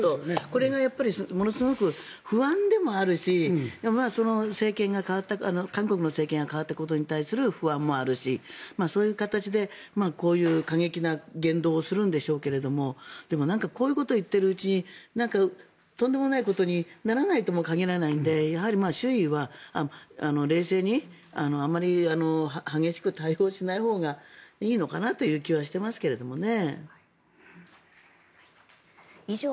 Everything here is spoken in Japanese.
これがやっぱりものすごく不安でもあるし韓国の政権が代わったことに対する不安もあるしそういう形でこういう過激な言動をするんでしょうけどでも、こういうことを言っているうちになんかとんでもないことにならないとも限らないので周囲は冷静にあまり激しく対応しないほうがいいのかなという気がしますけどね。